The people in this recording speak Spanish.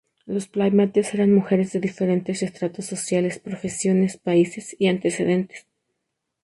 Las playmates eran mujeres de diferentes estratos sociales, profesiones, países y antecedentes.